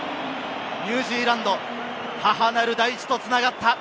ニュージーランド、母なる大地と繋がった！